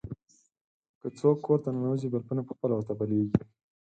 که څوک کور ته ننوځي، بلپونه په خپله ورته بلېږي.